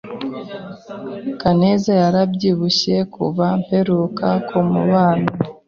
Kaneza yarabyibushye kuva mperuka kumubona.